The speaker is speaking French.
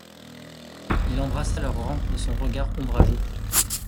Il embrassa leurs rangs de son regard ombrageux.